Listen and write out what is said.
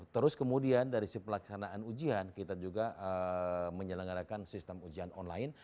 terus kemudian dari si pelaksanaan ujian kita juga menyelenggarakan sistem ujian online